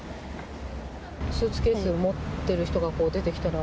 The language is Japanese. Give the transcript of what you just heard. スーツケースを持ってる人が出てきたら？